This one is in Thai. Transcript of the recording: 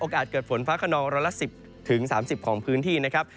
เกิดฝนฟ้าขนองร้อยละ๑๐๓๐ของพื้นที่นะครับ